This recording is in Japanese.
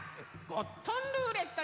ゴットンルーレット？